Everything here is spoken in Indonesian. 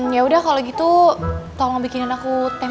yaudah kalau gitu tolong bikin aku teman aja